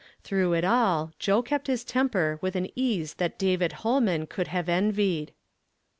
Through it all, Joe kept his temper with an ease that David Holman could have envied.